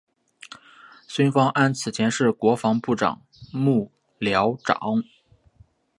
孙芳安此前是国防部长幕僚长。